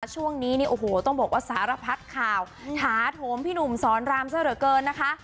ช่วงนี้ต้องบอกว่าสารพัดข่าวถาโถมพี่หนุ่มสอนรามเจ้าเหลือเกินนะคะ